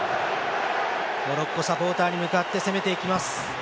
モロッコサポーターに向かって攻めていきます。